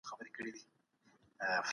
د شنه اسمان ښايسته ستوري